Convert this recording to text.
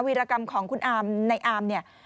รกรรมของคุณอามในอามเนี่ย